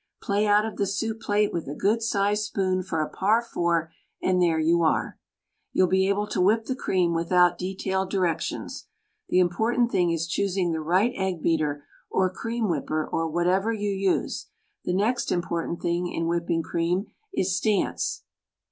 Play out of the soup plate with a good sized spoon for a par four — and there you are! You'll be able to whip the cream without detailed directions. The important thing is choosing the right egg beater or cream whipper or whatever you use. The next important thing in whipping cream is stance.